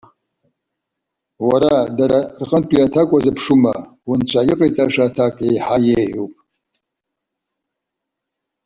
Уара, дара рҟынтә аҭак уазыԥшума? Унцәа иҟаиҵаша аҭак еиҳа еиӷьуп.